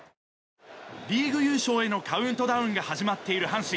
リーグ優勝へのカウントダウンが始まっている阪神。